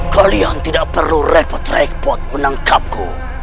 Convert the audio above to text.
kalian tidak perlu repot repot menangkapku